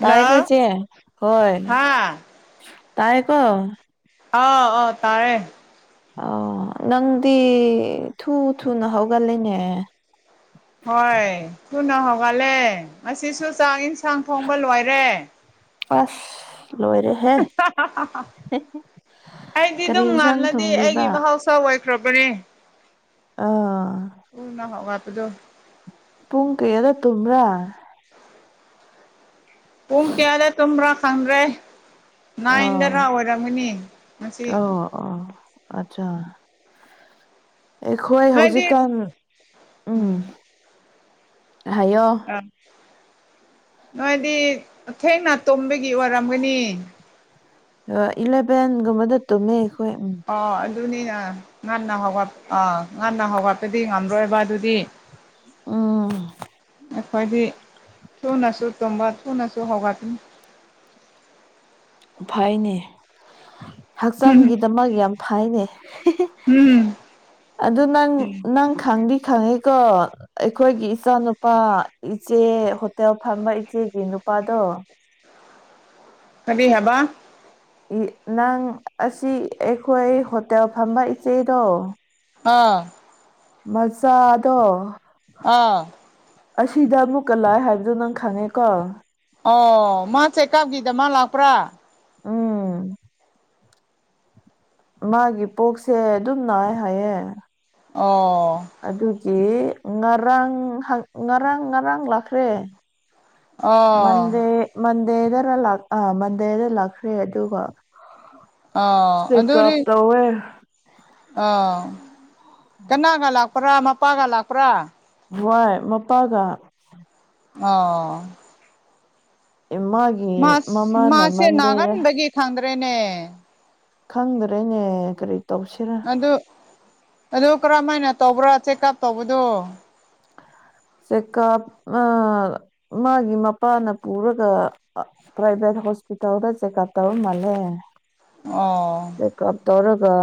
ꯇꯥꯏꯀꯣ ꯆꯦ ꯍꯣꯏ ꯍꯥ ꯇꯥꯏ ꯀꯣ ꯑꯥꯎ ꯑꯣ ꯇꯥꯔꯦ ꯑꯣ ꯅꯪꯗꯤ ꯊꯨ ꯊꯨꯅ ꯍꯧꯒꯠꯂꯤꯅꯦ ꯍꯣꯏ ꯊꯨꯅ ꯍꯧꯒꯠꯂꯦ ꯉꯁꯤꯁꯨ ꯆꯥꯛ ꯏꯟꯁꯥꯡ ꯊꯣꯡꯕ ꯂꯣꯏꯔꯦ ꯑꯁ ꯂꯣꯏꯔꯦ ꯑꯩꯗꯤ ꯀꯔꯤ ꯑꯗꯨꯝ ꯏꯟꯁꯥꯡ ꯉꯥꯜꯂꯗꯤ ꯑꯩꯒꯤ ꯊꯣꯡꯕꯤꯕ ꯃꯍꯧꯁꯥ ꯆꯥꯎ ꯋꯥꯏꯈ꯭ꯔꯕꯅꯦ ꯑꯥ ꯎꯅ ꯍꯥꯎ ꯍꯥꯄꯗꯣ ꯄꯨꯡ ꯀꯌꯥꯗ ꯇꯨꯝꯕ꯭ꯔꯥ ꯄꯨꯡ ꯀꯌꯥꯗ ꯇꯨꯝꯕꯔꯥ ꯍꯪꯒꯔꯦ ꯑꯥ ꯅꯥꯏꯟꯗꯔꯥ ꯑꯣꯏꯔꯝꯃꯅꯤ ꯃꯁꯤ ꯑꯣ ꯑꯣ ꯑꯠꯆꯥ ꯑꯩꯈꯣꯏ ꯅꯣꯏꯗꯤ ꯍꯧꯖꯤꯛꯀꯥꯟ ꯎꯝ ꯍꯥꯏꯌꯣ ꯑꯥ ꯅꯣꯏꯗꯤ ꯊꯦꯡꯅ ꯇꯨꯝꯕꯒꯤ ꯑꯣꯏꯔꯝꯒꯅꯤ ꯏꯂꯚꯦꯟꯒꯨꯝꯕꯗ ꯇꯨꯝꯃꯦ ꯑꯩꯈꯣꯏ ꯎꯝ ꯑꯣ ꯑꯗꯨꯅꯤꯅꯥ ꯉꯟꯅ ꯍꯧꯒꯠ ꯑ ꯉꯟꯅ ꯍꯧꯒꯠꯄꯗꯤ ꯉꯝꯔꯣꯏꯕ ꯑꯗꯨꯗꯤ ꯎꯝ ꯑꯩꯈꯣꯏꯗꯤ ꯊꯨꯅ ꯁꯨ ꯇꯨꯝꯕ ꯊꯨꯅꯥꯁꯨ ꯍꯧꯒꯠꯄꯅꯤ ꯐꯩꯅꯦ ꯍꯛꯆꯥꯡꯒꯤꯗꯃꯛ ꯌꯥꯝ ꯐꯩꯅꯦ ꯑꯗꯨ ꯅꯪ ꯅꯪ ꯈꯪꯗꯤ ꯈꯪꯉꯦꯀꯣ? ꯑꯩꯈꯣꯏꯒꯤ ꯏꯆꯥ ꯅꯨꯨꯄꯥ ꯏꯆꯦ ꯍꯣꯇꯦꯜ ꯐꯝꯕ ꯏꯆꯦꯒꯤ ꯅꯨꯄꯥꯗꯣ ꯀꯔꯤ ꯍꯥꯕ? ꯅꯪ ꯑꯁꯤ ꯑꯩꯈꯣꯏ ꯍꯣꯇꯦꯜ ꯐꯝꯕ ꯏꯆꯦꯗꯣ ꯑꯥ ꯃꯆꯥꯗꯣ ꯑꯥ ꯑꯁꯤꯗ ꯑꯃꯨꯛꯀ ꯂꯥꯛꯑꯦ ꯍꯥꯏꯕꯗꯣ ꯅꯪ ꯈꯪꯉꯦꯀꯣ ꯑꯣ ꯃꯥ ꯆꯦꯛꯀꯥꯞꯒꯤꯗ ꯃꯛ ꯂꯥꯛꯄ꯭ꯔꯥ? ꯎꯝ ꯃꯥꯒꯤ ꯄꯨꯛꯁꯦ ꯑꯗꯨꯝ ꯅꯥꯏ ꯍꯥꯏꯌꯦ꯫ ꯑꯣ ꯑꯗꯨꯒꯤ ꯉꯔꯥꯡ ꯍꯪ ꯉꯔꯥꯡ ꯉꯔꯥꯡ ꯂꯥꯛꯈ꯭ꯔꯦ ꯑꯣ ꯃꯟꯗꯦ ꯃꯟꯗꯦꯗꯔꯥ ꯂꯥꯛ ꯑ ꯃꯟꯗꯦꯗ ꯂꯥꯛꯈ꯭ꯔꯦ ꯑꯗꯨꯒ ꯑꯣ ꯍꯥ ꯆꯦꯀꯞ ꯇꯧꯋꯦ ꯑꯣ ꯀꯅꯥꯒ ꯂꯥꯛꯄ꯭ꯔꯥ ꯃꯄꯥꯒ ꯂꯥꯛꯄ꯭ꯔꯥ? ꯋꯥꯏ ꯃꯄꯥꯒ ꯑꯣ ꯏꯃꯥꯒꯤ ꯃꯥꯁ ꯃꯥꯁꯦ ꯅꯥꯒꯟꯕꯒꯤ ꯈꯪꯗ꯭ꯔꯦꯅꯦ ꯈꯪꯗ꯭ꯔꯦꯅꯦ ꯀꯔꯤ ꯇꯧꯁꯤꯔꯥ ꯑꯗꯨ ꯑꯗꯨ ꯀꯔꯝꯃꯥꯏꯅ ꯇꯧꯕ꯭ꯔꯥ ꯆꯦꯛꯀꯞ ꯇꯧꯕꯗꯨ? ꯆꯦꯀꯥꯞ ꯑ ꯃꯥꯒꯤ ꯃꯄꯥꯅ ꯄꯨꯔꯒ ꯄ꯭ꯔꯥꯏꯚꯦꯠ ꯍꯣꯁꯄꯤꯇꯥꯜꯗ ꯆꯦꯛꯀꯞ ꯇꯧꯔ ꯃꯥꯜꯂꯦ꯫ ꯑꯣ ꯆꯦꯛꯀꯞ ꯇꯧꯔꯒ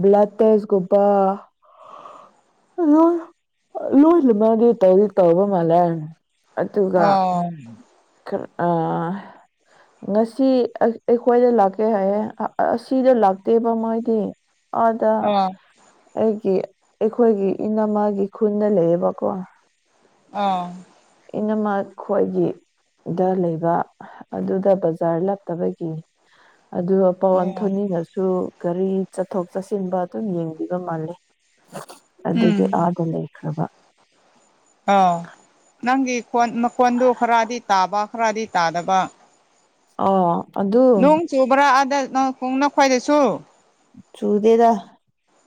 ꯕ꯭ꯂꯠ ꯇꯦꯁꯒꯨꯝꯕ ꯂꯣꯏ ꯂꯣꯏ ꯃꯗꯤ ꯇꯧꯗꯤ ꯇꯧꯕ ꯃꯥꯜꯂꯦ ꯑꯗꯨꯒ ꯑꯣ ꯎꯝ ꯈꯔ ꯑꯥ ꯉꯁꯤ ꯑꯩ ꯑꯩꯈꯣꯏꯗ ꯂꯥꯛꯀꯦ ꯍꯥꯏꯌꯦ ꯑꯁꯤꯗ ꯂꯥꯛꯇꯦꯕ ꯃꯣꯏꯗꯤ ꯑꯥꯗ ꯑꯣ ꯑꯩꯒꯤ ꯑꯩꯈꯣꯏꯒꯤ ꯏꯅꯝꯃꯒꯤ ꯈꯨꯟꯗ ꯂꯩꯌꯦꯕ ꯀꯣ ꯑꯥ ꯏꯅꯝꯃ ꯈꯣꯏꯒꯤ ꯗ ꯂꯩꯕ ꯑꯗꯨꯗ ꯕꯖꯥꯔ ꯂꯥꯞꯇꯕꯒꯤ ꯑꯗꯨ ꯄꯋꯥꯟ ꯑꯣ ꯊꯣꯅꯤꯅꯁꯨ ꯒꯥꯔꯤ ꯆꯠꯊꯣꯛ ꯆꯠꯁꯤꯟꯕ ꯇꯨꯝ ꯌꯦꯡꯕꯤꯕ ꯃꯥꯜꯂꯤ ꯑꯗꯨꯒꯤ ꯎꯝ ꯑꯥꯗ ꯂꯩꯈ꯭ꯔꯕ ꯑꯣ ꯅꯪꯒꯤ ꯐꯣꯟ ꯃꯈꯣꯟꯗꯨ ꯈꯔꯗꯤ ꯇꯥꯕ ꯈꯔꯗꯤ ꯇꯥꯗꯕ ꯑꯣ ꯑꯗꯨ ꯅꯣꯡ ꯆꯨꯕ꯭ꯔꯥ ꯑꯗ ꯅꯣꯡ ꯈꯣꯡꯅ ꯈꯣꯏꯗꯁꯨ ꯆꯨꯗꯦꯗ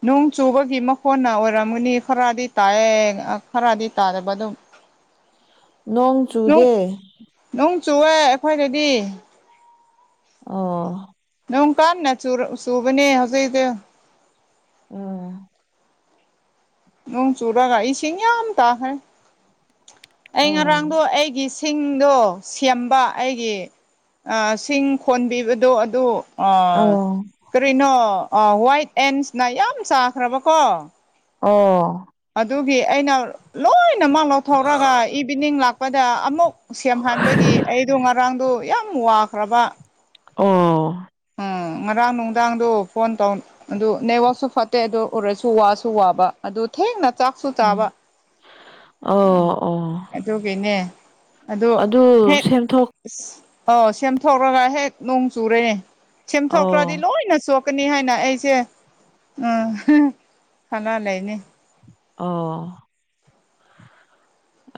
ꯅꯣꯡ ꯆꯨꯕꯒꯤ ꯃꯈꯣꯟꯅ ꯑꯣꯏꯔꯝꯒꯅꯤ ꯈꯔꯗꯤ ꯇꯥꯏꯌꯦ ꯈꯔꯗꯤ ꯇꯥꯗꯕ ꯑꯗꯨꯝ꯫ ꯅꯣꯡ ꯆꯨꯗꯦ ꯅꯨꯡ ꯆꯨꯑꯦ ꯑꯩꯈꯣꯏꯗꯗꯤ ꯑꯣ ꯅꯣꯡ ꯀꯥꯟꯅ ꯆꯨꯔ ꯆꯨꯕꯅꯦ ꯍꯧꯖꯤꯛꯗꯤ ꯎꯝ ꯅꯣꯡ ꯆꯨꯔꯒ ꯏꯁꯤꯡ ꯌꯥꯝ ꯇꯥꯈ꯭ꯔꯦ ꯑꯩ ꯎꯝ ꯉꯔꯥꯡꯗꯣ ꯑꯩꯒꯤ ꯁꯤꯡꯗꯣ ꯁꯦꯝꯕ ꯑꯩꯒꯤ ꯁꯤꯡ ꯈꯣꯟꯕꯤꯕꯗꯣ ꯑꯗꯨ ꯑ ꯑꯣ ꯀꯔꯤꯅꯣ ꯋꯥꯏꯠ ꯑꯦꯟꯁꯅ ꯌꯥꯝ ꯆꯥꯈ꯭ꯔꯕꯀꯣ ꯑꯣ ꯑꯗꯨꯒꯤ ꯑꯩꯅ ꯂꯣꯏꯅꯃꯛ ꯂꯧꯊꯣꯛꯔꯒ ꯏꯚꯤꯅꯤꯡ ꯂꯥꯛꯄꯗ ꯑꯃꯨꯛ ꯁꯦꯝꯍꯟꯕꯒꯤ ꯑꯩꯗꯣ ꯉꯔꯥꯡꯗꯣ ꯌꯥꯝ ꯋꯥꯈ꯭ꯔꯕ ꯑꯣ ꯎꯝ ꯉꯔꯥꯡ ꯅꯨꯡꯗꯥꯡꯗꯣ ꯐꯣꯟ ꯇꯧ ꯑꯗꯨ ꯅꯦꯠꯋꯥꯛꯁꯨ ꯐꯠꯇꯦ ꯑꯗꯨ ꯎꯔꯁꯨ ꯋꯥꯁꯨ ꯋꯥꯕ ꯑꯗꯨ ꯊꯦꯡꯅ ꯆꯥꯛꯁꯨ ꯎꯝ ꯆꯥꯕ ꯑꯣ ꯑꯣ ꯑꯗꯨꯒꯤꯅꯦ ꯑꯗꯣ ꯑꯗꯨ ꯍꯦꯛ ꯁꯦꯝꯊꯣꯛ ꯑꯥꯎ ꯁꯦꯝꯊꯣꯛꯂꯒ ꯍꯦꯛ ꯅꯣꯡ ꯆꯨꯔꯦꯅꯦ ꯁꯦꯝꯊꯣꯛꯇ꯭ꯔꯗꯤ ꯑꯣ ꯂꯣꯏꯅꯁꯨ ꯊꯣꯛꯀꯅꯤ ꯍꯥꯏꯅ ꯑꯩꯁꯦ ꯎ ꯈꯂ ꯂꯩꯅꯤ ꯑꯣ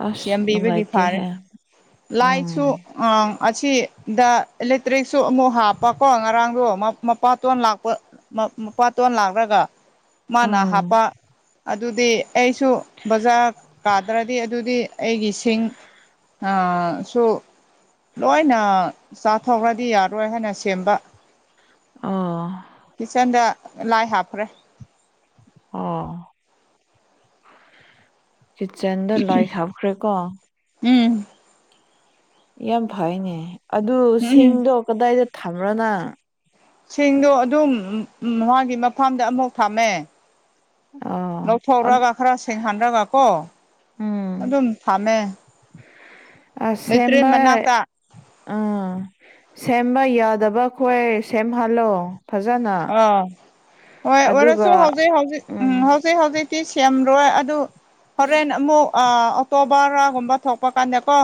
ꯑꯁ ꯁꯦꯝꯕꯤꯕꯒꯤ ꯅꯨꯡꯉꯥꯏꯇꯦꯍꯦ ꯎꯝ ꯑ ꯑꯁꯤꯗ ꯏꯂꯦꯛꯇ꯭ꯔꯤꯛꯁꯨ ꯑꯃꯨꯛ ꯍꯥꯞꯄꯀꯣ ꯉꯔꯥꯡꯗꯣ ꯃꯄꯥꯇꯣꯟ ꯂꯥꯛꯄ ꯃꯄꯥꯇꯣꯟ ꯂꯥꯛꯔꯒ ꯃꯥꯅ ꯎꯝ ꯍꯥꯞꯄ ꯑꯗꯨꯗꯤ ꯑꯩꯁꯨ ꯕꯖꯥꯔ ꯀꯥꯗ꯭ꯔꯗꯤ ꯑꯗꯨꯗꯤ ꯑꯩꯒꯤ ꯁꯤꯡ ꯑ ꯁꯨ ꯂꯣꯏꯅ ꯆꯥꯊꯣꯛꯈ꯭ꯔꯗꯤ ꯌꯥꯔꯣꯏ ꯍꯥꯏꯅ ꯁꯦꯝꯕ ꯑꯣ ꯀꯤꯠꯆꯟꯗ ꯂꯥꯏ ꯍꯥꯞꯈ꯭ꯔꯦ ꯑꯣ ꯀꯤꯠꯆꯦꯟꯗ ꯂꯥꯏꯠ ꯍꯥꯞꯈ꯭ꯔꯦꯀꯣ ꯎꯝ ꯌꯥꯝ ꯐꯩꯅꯦ ꯑꯗꯨ ꯎꯝ ꯁꯤꯡꯗꯣ ꯀꯗꯥꯏꯗ ꯊꯝꯕ꯭ꯔꯣꯅ ꯁꯤꯡꯗꯣ ꯑꯗꯨꯝ ꯃꯥꯒꯤ ꯃꯐꯝꯗ ꯑꯃꯨꯛ ꯊꯝꯃꯦ ꯑꯣ ꯂꯧꯊꯣꯛꯔꯒ ꯈꯔ ꯁꯦꯡꯍꯜꯔꯒ ꯀꯣ ꯑꯗꯨꯝ ꯊꯝꯃꯦ ꯑ ꯂꯩꯇ꯭ꯔꯦ ꯁꯦꯝꯕ ꯃꯅꯥꯛꯇ ꯑꯥ ꯁꯦꯝꯕ ꯌꯥꯗꯕ ꯈꯣꯏ ꯁꯦꯝꯍꯜꯂꯣ ꯐꯖꯅ ꯑꯥ ꯍꯣꯏ ꯑꯣꯏꯔꯁꯨ ꯑꯗꯨꯒ ꯍꯧꯖꯤꯛ ꯍꯧꯖꯤꯛ ꯎꯝ ꯍꯧꯖꯤꯛ ꯍꯧꯖꯤꯛꯇꯤ ꯁꯦꯝꯔꯣꯏ ꯑꯗꯨ ꯍꯣꯔꯦꯟ ꯑꯃꯨꯛ ꯑꯣꯛꯇꯣꯕꯔꯒꯨꯝꯕ ꯊꯣꯛꯄ ꯀꯥꯟꯗꯀꯣ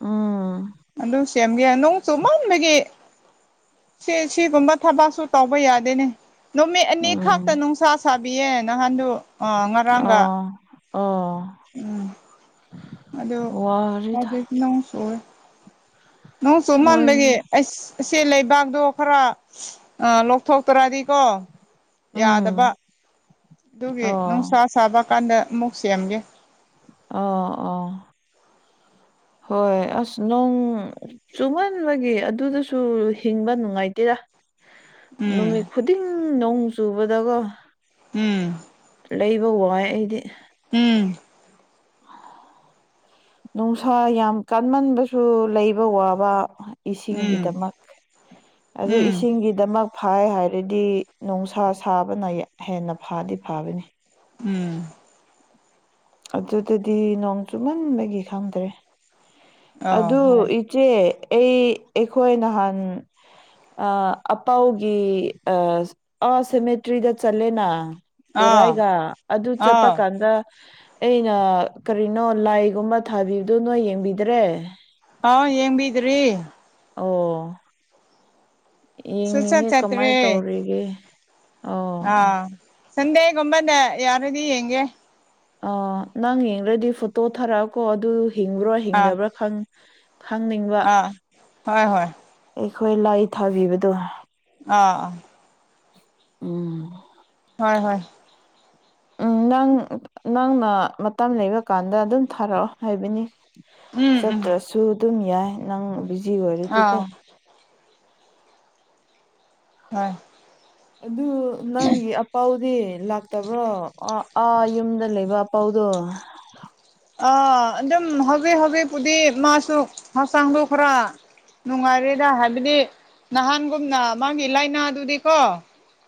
ꯎꯝ ꯑꯗꯨ ꯁꯦꯝꯒꯦ ꯅꯣꯡ ꯆꯨꯃꯟꯕꯒꯤ ꯁꯤ ꯁꯤꯒꯨꯝꯕ ꯊꯕꯛꯁꯨ ꯇꯧꯕ ꯌꯥꯗꯦꯅꯦ ꯅꯨꯃꯤꯠ ꯑꯅꯤ ꯈꯛꯇ ꯎꯝ ꯅꯨꯡꯁꯥ ꯁꯥꯕꯤꯌꯦ ꯅꯍꯥꯟꯗꯨ ꯑ ꯉꯔꯥꯡꯒ ꯑꯣ ꯑꯣ ꯎꯝ ꯑꯗꯣ ꯋꯥꯔꯤꯗ ꯍꯧꯖꯤꯛ ꯅꯣꯡ ꯆꯨꯌꯦ ꯅꯣꯡ ꯅꯣꯏ ꯆꯨꯃꯟꯕꯒꯤ ꯑꯩꯁ ꯁꯦ ꯂꯩꯕꯥꯛꯗꯣ ꯈꯔ ꯂꯧꯊꯣꯛꯇꯔꯗꯤꯀꯣ ꯌꯥꯗꯕ ꯎꯝ ꯑꯗꯨꯒꯤ ꯅꯨꯡꯁꯥ ꯑꯣ ꯁꯥꯕ ꯀꯥꯟꯗ ꯑꯃꯨꯛ ꯁꯦꯝꯒꯦ ꯑ‌ꯣ ꯑꯣ ꯍꯣꯏ ꯑꯁ ꯅ‌ꯣꯡ ꯆꯨꯝꯃꯟꯕꯒꯤ ꯑꯗꯨꯗꯁꯨ ꯍꯤꯡꯕ ꯅꯨꯡꯉꯥꯏꯇꯦꯔ ꯎꯝ ꯅꯨꯃꯤꯠ ꯈꯨꯗꯤꯡ ꯅꯣꯡ ꯆꯨꯕꯗꯒꯣ ꯎꯝ ꯂꯩꯕ ꯋꯥꯏ ꯑꯩꯗꯤ ꯎꯝ ꯅꯨꯡꯁꯥ ꯌꯥꯝ ꯀꯥꯟꯃꯟꯕꯁꯨ ꯂꯩꯕ ꯋꯥꯕ ꯎꯝ ꯏꯁꯤꯡꯒꯤꯗꯃꯛ ꯑꯗꯨ ꯎꯝ ꯏꯁꯤꯡꯒꯤꯗꯃꯛ ꯐꯥꯏ ꯍꯥꯏꯔꯗꯤ ꯅꯨꯡꯁꯥ ꯁꯥꯕꯅ ꯌ ꯍꯦꯟꯅ ꯐꯗꯤ ꯐꯕꯅꯤ ꯎꯝ ꯑꯗꯨꯗꯗꯤ ꯅꯣꯡ ꯆꯨꯃꯟꯕꯒꯤ ꯈꯪꯗ꯭ꯔꯦ ꯑꯥ ꯑꯗꯨ ꯍꯣꯏ ꯏꯆꯦ ꯑꯩ ꯑꯩꯈꯣꯏ ꯅꯍꯥꯟ ꯑꯥ ꯑꯄꯥꯎꯒꯤ ꯑ ꯑꯥ ꯁꯦꯃꯦꯇ꯭ꯔꯤꯗ ꯆꯠꯂꯦꯅ ꯑꯥ ꯇꯣꯔꯥꯏꯒ ꯑꯗꯨ ꯆꯠꯄ ꯑꯥ ꯀꯥꯟꯗ ꯑꯩꯅ ꯀꯔꯤꯅꯣ ꯂꯥꯏꯒꯨꯝꯕ ꯊꯥꯕꯤꯕꯗꯣ ꯅꯣꯏ ꯌꯦꯡꯕꯤꯗ꯭ꯔꯦ ꯑꯥꯎ ꯌꯦꯡꯕꯤꯗ꯭ꯔꯤ ꯑꯣ ꯁꯨꯡꯆꯠ ꯌꯦꯡꯅꯤꯡꯉꯦ ꯀꯃꯥꯏ ꯇꯧꯔꯤꯒꯦ ꯑ ꯑꯣ ꯁꯟꯗꯦꯒꯨꯝꯕꯗ ꯌꯥꯔꯗꯤ ꯌꯦꯡꯒꯦ ꯑ ꯅꯪ ꯌꯦꯡꯔꯗꯤ ꯐꯣꯇꯣ ꯊꯥꯔꯛꯑ ꯀꯣ ꯑꯗꯨ ꯍꯤꯡꯕ꯭ꯔꯣ ꯑꯥ ꯍꯤꯡꯗꯕ꯭ꯔꯥ ꯈꯪ ꯈꯪꯅꯤꯡꯕ ꯑꯥ ꯍꯣꯏ ꯍꯣꯏ ꯑꯩꯈꯣꯏ ꯂꯥꯏ ꯊꯥꯕꯤꯕꯗꯣ ꯑꯥ ꯑꯥ ꯎꯝ ꯍꯣꯏ ꯍꯣꯏ ꯎꯝ ꯅꯪ ꯅꯪꯅ ꯃꯇꯝ ꯂꯩꯕ ꯀꯥꯟꯗ ꯑꯗꯨꯝ ꯊꯥꯔ‌ꯑꯣ ꯍꯥꯏꯕꯅꯤ ꯎꯝ ꯎꯝ ꯆꯠꯇ꯭ꯔꯁꯨ ꯑꯗꯨꯝ ꯌꯥꯏ ꯅꯪ ꯕꯤꯖꯤ ꯑꯣꯏꯔꯗꯤꯀꯣ ꯑꯥ ꯍꯣꯏ ꯑꯗꯨ ꯅꯪꯒꯤ ꯑꯄꯥꯎꯗꯤ ꯂꯥꯛ ꯇꯕ꯭ꯔꯣ ꯑ ꯑꯥ ꯌꯨꯝꯗ ꯂꯩꯕ ꯑꯄꯥꯎꯗꯣ ꯑ ꯑꯗꯨꯝ ꯍꯧꯖꯤꯛ ꯍꯧꯖꯤꯛꯄꯨꯗꯤ ꯃꯥꯁꯨ ꯍꯛꯆꯥꯡꯗꯨ ꯈꯔ ꯅꯨꯡꯉꯥꯏꯔꯦꯗ ꯍꯥꯏꯕꯗꯤ ꯅꯍꯥꯟꯒꯨꯝꯅ ꯃꯥꯒꯤ ꯂꯥꯏꯅꯥꯗꯨꯗꯤꯀꯣ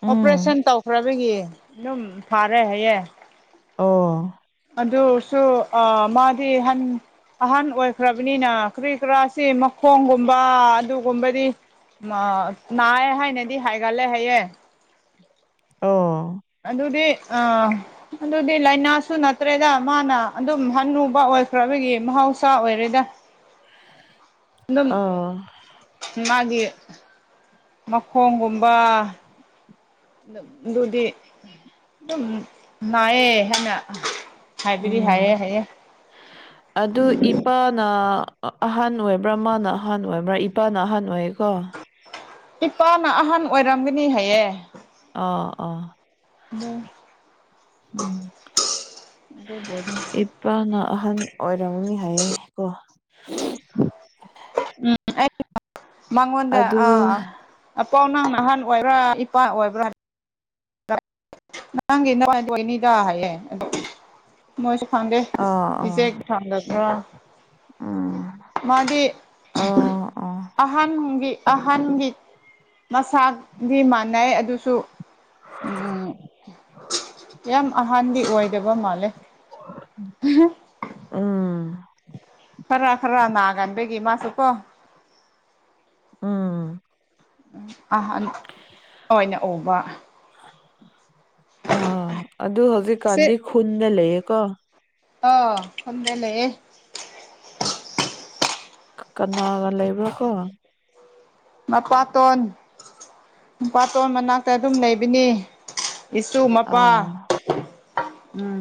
ꯎꯝ ꯑꯣꯄ꯭ꯔꯦꯁꯟ ꯇꯧꯈ꯭ꯔꯕꯒꯤ ꯑꯗꯨꯝ ꯐꯔꯦ ꯍꯥꯏꯌꯦ ꯑꯣ ꯑꯗꯨꯁꯨ ꯑ ꯃꯥꯗꯤ ꯍꯟ ꯑꯍꯟ ꯑꯣꯏꯈ꯭ꯔꯕꯅꯤꯅ ꯀ꯭ꯔꯤ ꯀ꯭ꯔꯥꯁꯤ ꯃꯈꯣꯡꯒꯨꯝꯕ ꯑꯗꯨ ꯒꯨꯝꯕꯗꯤ ꯃꯥ ꯅꯥꯏ ꯍꯥꯏꯅꯗꯤ ꯍꯥꯏꯒꯜꯂꯦ ꯍꯥꯏꯌꯦ ꯑꯣ ꯑꯗꯨꯗꯤ ꯑ ꯑꯗꯨꯗꯤ ꯂꯥꯏꯅꯥꯁꯨ ꯅꯠꯇ꯭ꯔꯦꯗ ꯃꯥꯅ ꯑꯗꯨꯝ ꯍꯟꯅꯨꯕ ꯑꯣꯏꯈ꯭ꯔꯕꯒꯤ ꯃꯍꯧꯁꯥ ꯑꯣꯏꯔꯦꯗ [inaudible] ꯑꯗꯨꯝ ꯑꯣ ꯃꯥꯒꯤ ꯃꯈꯣꯡꯒꯨꯝꯕ [unintelligible] ꯑꯗꯨꯗꯤ ꯑꯗꯨꯝ ꯅꯥꯏꯌꯦ [unintelligible] ꯍꯥꯏꯕꯤꯔꯤ ꯎꯝ ꯍꯥꯏꯌꯦ ꯍꯥꯏꯌꯦ ꯑꯗꯨ ꯏꯞ ꯄꯥꯅ ꯑꯍꯟ ꯑꯣꯏꯕ꯭ꯔꯥ ꯃꯥꯅ ꯑꯍꯥꯟ ꯑꯣꯏꯕ꯭ꯔꯥ ꯏꯄꯥꯅ ꯑꯍꯥꯟ ꯑꯣꯏꯌꯦꯀꯣ ꯏꯄꯥꯅ ꯑꯍꯟ ꯑꯣꯏꯔꯝꯒꯅꯤ ꯍꯥꯏꯌꯦ ꯑꯥ ꯑꯥ [inaudible] ꯎꯝ ꯑꯗꯨꯕꯨꯗꯤ ꯏ ꯄꯥꯅ ꯑꯍꯟ ꯑꯣꯏꯔꯝꯅꯤ ꯍꯥꯏꯌꯦ ꯀꯣ ꯎꯝ ꯑꯩ [unintelligible] ꯃꯉꯣꯟꯗ ꯑꯗꯨ ꯑꯥ ꯑꯄꯥꯎ ꯅꯪꯅ ꯑꯍꯥꯟ ꯑꯣꯏꯕ꯭ꯔꯥ ꯏꯄꯥ ꯑꯣꯏꯕ꯭ꯔꯥ ꯅꯪꯒꯤ [inaudible] ꯑꯣꯏꯅꯤꯗ ꯍꯥꯏꯌꯦ ꯑꯗꯣ ꯃꯣꯏꯁꯨ ꯈꯪꯗꯦ ꯑꯥ ꯑꯥ ꯏꯆꯦ [inaudible] ꯎꯝ ꯃꯥꯗꯤ ꯑꯥ ꯑꯥ [unintelligible] ꯑꯍꯟꯒꯤ ꯑꯍꯟꯒꯤ ꯃꯁꯥꯛꯗꯤ ꯃꯥꯟꯅꯩ ꯑꯗꯨꯁꯨ ꯎꯝ ꯌꯥꯝ ꯑꯍꯥꯟꯗꯤ ꯑꯣꯏꯗꯕ ꯃꯥꯜꯂꯦ ꯎꯝ ꯈꯔꯥ ꯈꯔꯥ ꯅꯥꯒꯟꯕꯒꯤ ꯃꯥꯁꯨ ꯀꯣ ꯎꯝ ꯑꯍꯟ ꯑꯣꯏꯅ ꯎꯕ ꯑꯥ ꯑꯗꯨ ꯍꯧꯖꯤꯛ ꯀꯥꯟꯗꯤ ꯈꯨꯟꯗ ꯂꯩꯌꯦꯀꯣ ꯑꯣ ꯈꯨꯟꯗ ꯂꯩꯌꯦ ꯀꯅꯥꯒ ꯂꯩꯕ꯭ꯔꯣ ꯀꯣ ꯃꯄꯥꯇꯣꯟ ꯃꯄꯥꯇꯣꯟ ꯃꯅꯥꯛꯇ ꯑꯗꯨꯝ ꯂꯩꯕꯅꯤ ꯏꯁꯨ ꯃꯄꯥ ꯑꯥ ꯎꯝ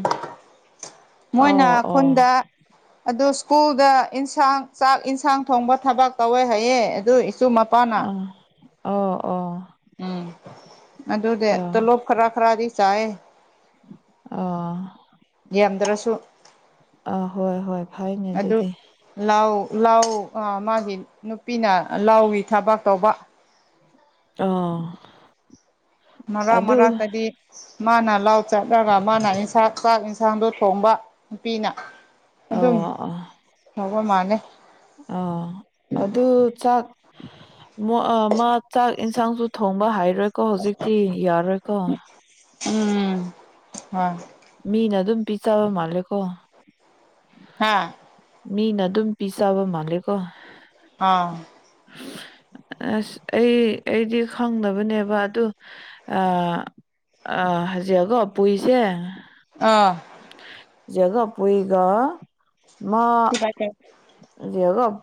ꯑꯣ ꯃꯣꯏꯅ ꯑꯣ ꯈꯨꯟꯗ ꯑꯗꯨ ꯁ꯭ꯀꯨꯜꯗ ꯏꯟꯁꯥꯡ ꯆꯥꯛ ꯏꯟꯁꯥꯡ ꯊꯣꯡꯕ ꯊꯕꯛ ꯇꯧꯋꯦ ꯍꯥꯏꯌꯦ ꯑꯗꯨ ꯏꯆꯨ ꯃꯄꯥꯅ ꯎꯝ ꯑꯣ ꯑꯣ ꯎꯝ ꯑꯗꯨꯗꯤ ꯑꯆꯥ ꯇꯣꯂꯣꯞ ꯈꯔꯥ ꯈꯔꯥꯗꯤ ꯆꯥꯏꯌꯦ ꯑꯣ ꯌꯥꯝꯗ꯭ꯔꯥꯁꯨ ꯑꯥ ꯍꯣꯏ ꯍꯣꯏ ꯐꯩꯅꯦ ꯑꯗꯨꯗꯤ ꯂꯥꯎ ꯂꯥꯎ ꯑꯥ ꯃꯥꯒꯤ ꯅꯨꯄꯤꯅ ꯂꯥꯎꯒꯤ ꯊꯕꯛ ꯇꯧꯕ ꯑꯣ ꯃꯔꯛ ꯃꯔꯛꯇꯗꯤ ꯃꯥꯅ ꯂꯥꯎ ꯆꯠꯂꯒ ꯃꯥꯅ ꯏꯟꯁꯥꯡ ꯆꯥꯛ ꯏꯟꯁꯥꯡꯗꯣ ꯊꯣꯡꯕ ꯅꯨꯄꯤꯅ ꯑꯗꯨꯝ ꯑꯥ ꯑꯥ ꯇꯧꯕ ꯃꯥꯜꯂꯦ ꯑꯥ ꯑꯗꯨ ꯆꯥꯛ ꯃꯥ ꯆꯥꯛ ꯏꯟꯁꯥꯡꯁꯨ ꯊꯣꯡꯕ ꯍꯩꯔꯣꯏꯀꯣ ꯍꯧꯖꯤꯛꯇꯤ ꯌꯥꯔꯣꯏꯀꯣ ꯎꯝ ꯍꯣꯏ ꯃꯤꯅꯥ ꯑꯗꯨꯝ ꯄꯤꯖꯕ ꯃꯥꯜꯂꯦꯀꯣ ꯍꯥꯥ ꯃꯤꯅ ꯑꯗꯨꯝ ꯄꯤꯖꯕ ꯃꯥꯜꯂꯦꯀꯣ ꯑꯥ [inaudible] ꯑꯁ ꯑꯩ ꯑꯩꯗꯤ ꯈꯪꯗꯕꯅꯦꯕ ꯑꯗꯨ ꯑꯥ ꯑꯥ ꯍꯖꯤꯑꯀꯣ ꯄꯨꯏꯁꯦ ꯑꯥ ꯖꯦꯒꯥ ꯄꯨꯏꯒ ꯃꯥ ꯍꯧꯖꯤꯛ ꯍꯧꯒꯥꯞ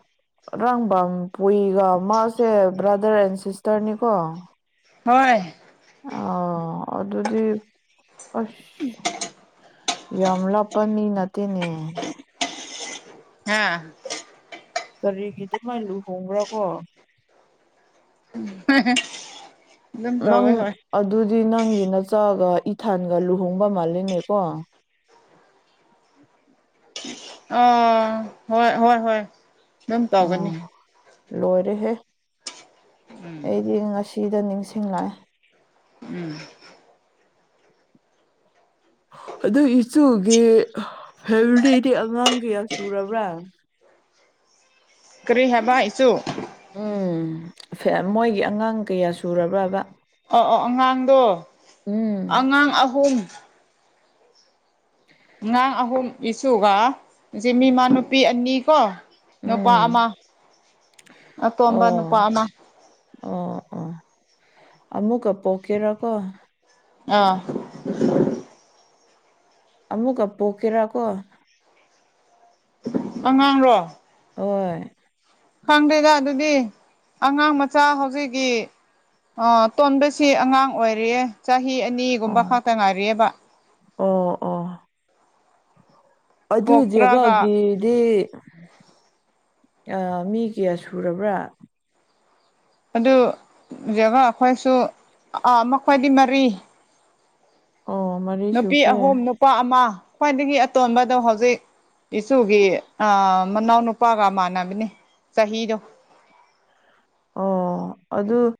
ꯔꯪꯕꯝ ꯄꯨꯏꯒ ꯃꯥꯁꯦ ꯕ꯭ꯔꯥꯗꯔ ꯑꯦꯟ ꯁꯤꯁꯇꯔꯅꯤꯀꯣ ꯍꯣꯏ ꯑ ꯑꯗꯨꯗꯤ ꯑꯁ ꯌꯥꯝ ꯂꯥꯞꯄ ꯃꯤ ꯅꯠꯇꯦꯅꯦ ꯍꯥꯥ ꯀꯔꯤꯒꯤ ꯑꯗꯨꯃꯥꯏ ꯂꯨꯍꯣꯡꯕ꯭ꯔꯥ ꯀꯣ [inaudible] ꯅꯪ ꯍꯣꯏ ꯑꯗꯨꯗꯤ ꯅꯪꯒꯤ ꯅꯆꯥꯒ ꯏꯊꯥꯟꯒ ꯂꯨꯍꯣꯡꯕ ꯃꯥꯜꯂꯤꯅꯦꯀꯣ ꯑꯣ ꯍꯣꯏ ꯍꯣꯏ ꯍꯣꯏ ꯑꯗꯨꯝ ꯇꯧꯒꯅꯤ ꯎꯝ ꯂꯣꯏꯔꯦꯍꯦ ꯑꯩꯗꯤ ꯉꯁꯤꯗ ꯅꯤꯡꯁꯤꯡꯂꯛꯑꯦ ꯎꯝ꯫ ꯑꯗꯨ ꯏꯆꯨꯒꯤ ꯐꯦꯃꯤꯂꯤꯗꯤ ꯑꯉꯥꯡ ꯀꯌꯥ ꯁꯨꯔꯕ꯭ꯔꯥ ꯀꯔꯤ ꯍꯥꯏꯕ ꯏꯆꯨ ꯎꯝ ꯐꯦꯝ ꯃꯣꯏꯒꯤ ꯑꯉꯥꯡ ꯀꯌꯥ ꯁꯨꯔꯕ꯭ꯔꯥꯕ ꯑꯣ ꯑꯣ ꯑꯉꯥꯡꯗꯣ ꯎꯝ ꯑꯉꯥꯡ ꯑꯍꯨꯝ ꯑꯉꯥꯡ ꯑꯍꯨꯝ ꯏꯁꯨꯒ ꯖꯤꯃꯤꯃꯥꯟ ꯅꯨꯄꯤ ꯑꯅꯤ ꯀꯣ ꯅꯨꯄꯥ ꯑꯃ ꯎꯝ ꯑꯇꯣꯝꯕ ꯑꯣ ꯅꯨꯄꯥ ꯑꯃ ꯑꯣ ꯑꯣ ꯑꯃꯨꯛꯀ ꯄꯣꯛꯀꯦꯔꯥ ꯀꯣ ꯑꯥ ꯑꯃꯨꯛꯀ ꯄꯣꯛꯀꯦꯔꯥ ꯀꯣ ꯑꯉꯥꯡꯔꯣ ꯍꯣꯏ ꯈꯪꯗꯦꯗ ꯑꯗꯨꯗꯤ ꯑꯉꯥꯡ ꯃꯆꯥ ꯍꯧꯖꯤꯛꯀꯤ ꯑꯥ ꯑꯇꯣꯟꯕꯁꯤ ꯑꯉꯥꯡ ꯑꯣꯏꯔꯤꯌꯦ ꯆꯍꯤ ꯑꯅꯤꯒꯨꯝꯕ ꯑꯣ ꯈꯛꯇ ꯉꯥꯏꯔꯤꯑꯦꯕ ꯑꯣ ꯑꯣ ꯑꯗꯨꯗꯤ ꯄꯣꯛꯇ꯭ꯔꯒ ꯑꯉꯥꯡꯒꯤꯗꯤ ꯑꯥ ꯃꯤ ꯀꯌꯥ ꯁꯨꯔꯕ꯭ꯔꯥ ꯑꯗꯨ ꯖꯒꯥ ꯑꯩꯈꯣꯏꯁꯨ ꯑꯥ ꯃꯈꯣꯏꯗꯤ ꯃꯔꯤ ꯑꯣ ꯃꯥꯔꯤ ꯅꯨꯄꯤ ꯑꯍꯨꯝ ꯅꯨꯄꯥ ꯑꯃ ꯈ꯭ꯋꯥꯏꯗꯒꯤ ꯑꯇꯣꯟꯕꯗꯣ ꯍꯧꯖꯤꯛ ꯏꯆꯨꯒꯤ ꯑꯥ ꯃꯅꯥꯎꯅꯨꯄꯥꯒ ꯃꯥꯟꯅꯕꯅꯦ ꯆꯍꯤꯗꯣ ꯑꯣ ꯑꯗꯨ